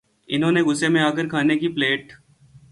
انھوں نے غصے میں آ کر کھانے کی پلیٹ